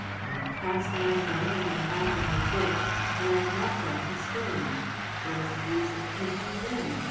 I've oast my net and I have my fish. But I have not got the stone. What is the use of taking them